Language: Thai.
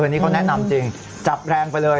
นี่เขาแนะนำจริงจับแรงไปเลย